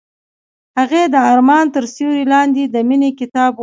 هغې د آرمان تر سیوري لاندې د مینې کتاب ولوست.